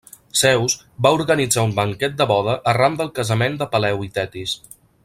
Zeus va organitzar un banquet de boda arran del casament de Peleu i Tetis.